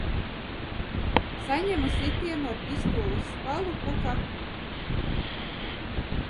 Saņemu sitienu ar pistoles spalu pa kaklu.